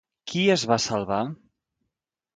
Qui es va salvar?